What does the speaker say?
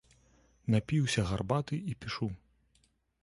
Напіўся гарбаты і пішу.